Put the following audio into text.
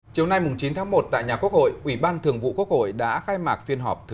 chiều nay chín tháng một tại nhà quốc hội ủy ban thường vụ quốc hội đã khai mạc phiên họp thứ bốn mươi một